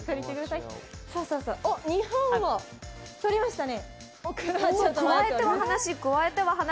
日本を取りましたね。